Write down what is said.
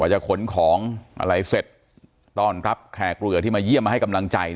วัยกษมณีของอะไรเสร็จตอนแคะเกลือกที่มายี่ยมมาให้กำลังใจ